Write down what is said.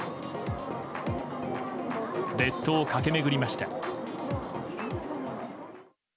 列島を駆け巡りました。